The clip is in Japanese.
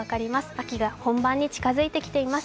秋が本番に近づいてきています。